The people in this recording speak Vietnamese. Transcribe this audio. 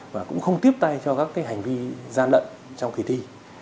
và cũng không tiếp tay cho các hành vi gian lận trong kỳ thi